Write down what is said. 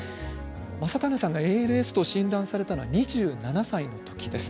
将胤さんはＡＬＳと診断されたのは２７歳の時です。